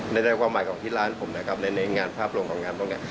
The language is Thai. ในแรกความหมายของที่ร้านผมในงานภาพรวมของงานพวกนี้